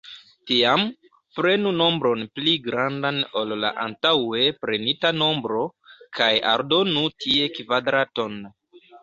Tiam, prenu nombron pli grandan ol la antaŭe prenita nombro, kaj aldonu tie kvadraton.